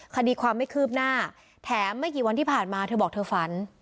คดีความไม่คืบหน้าแถมไม่กี่วันที่ผ่านมาเธอบอกเธอฝัน